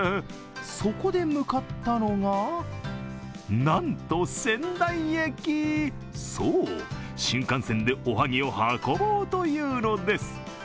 そこで向かったのが、なんと仙台駅そう、新幹線でおはぎを運ぼうというのです。